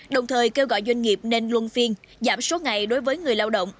đồng thời kêu gọi doanh nghiệp nên luân phiên giảm số ngày đối với người lao động